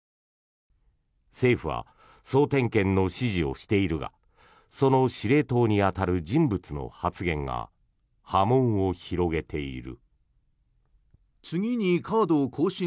政府は総点検の指示をしているがその司令塔に当たる人物の発言が波紋を広げている。